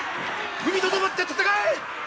踏みとどまって戦え！